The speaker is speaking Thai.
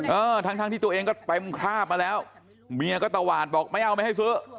เออทั้งทั้งที่ตัวเองก็เต็มคราบมาแล้วเมียก็ตวาดบอกไม่เอาไม่ให้ซื้อ